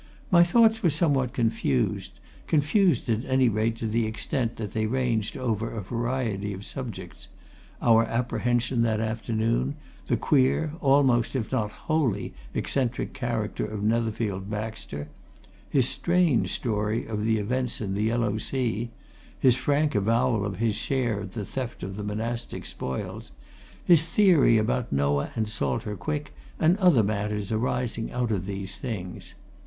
My thoughts were somewhat confused confused, at any rate, to the extent that they ranged over a variety of subjects our apprehension that afternoon; the queer, almost, if not wholly, eccentric character of Netherfield Baxter; his strange story of the events in the Yellow Sea; his frank avowal of his share in the theft of the monastic spoils; his theory about Noah and Salter Quick, and other matters arising out of these things.